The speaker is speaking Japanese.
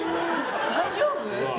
大丈夫？